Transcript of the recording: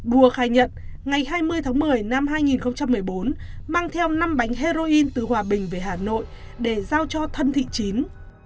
bùa khai nhận ngày hai mươi tháng một mươi năm hai nghìn một mươi bốn mang theo năm bánh heroin từ hòa bình về hà nội để giao cho thân thị chín